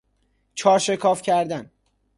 چار شکاف کردن